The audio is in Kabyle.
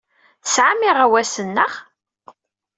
Tesɛam iɣawasen, naɣ?